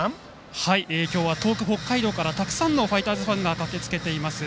きょうは遠く北海道からたくさんのファイターズファンが駆けつけています。